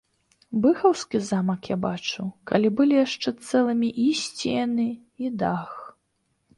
Быхаўскі замак я бачыў, калі былі яшчэ цэлымі і сцены, і дах.